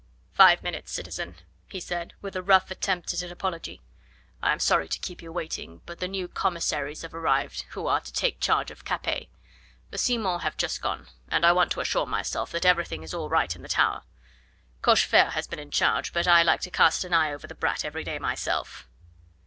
"Five minutes, citizen," he said, with a rough attempt at an apology. "I am sorry to keep you waiting, but the new commissaries have arrived who are to take charge of Capet. The Simons have just gone, and I want to assure myself that everything is all right in the Tower. Cochefer has been in charge, but I like to cast an eye over the brat every day myself."